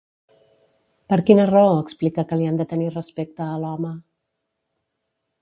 Per quina raó explica que li han de tenir respecte a l'home?